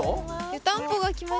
湯たんぽがきました。